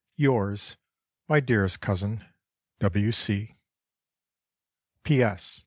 "Yours, my dearest cousin, "W. C.